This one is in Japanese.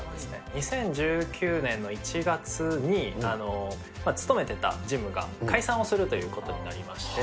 ２０１９年の１月に、勤めていたジムが解散をするということになりまして。